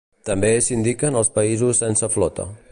També s'indiquen els països sense flota.